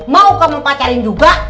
mau kamu pacarin juga